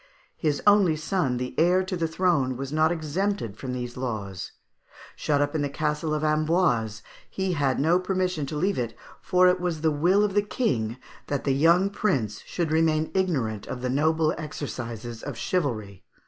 His only son, the heir to the throne, was not exempted from these laws. Shut up in the Castle of Amboise, he had no permission to leave it, for it was the will of the King that the young prince should remain ignorant of the noble exercises of chivalry.